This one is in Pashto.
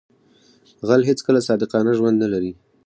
غل هیڅکله صادقانه ژوند نه لري